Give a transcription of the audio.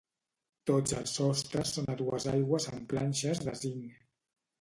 Tots els sostres són a dues aigües amb planxes de zinc.